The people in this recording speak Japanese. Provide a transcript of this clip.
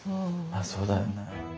あそうだよね。